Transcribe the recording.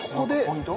ポイント？